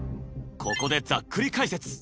ここでざっくり解説！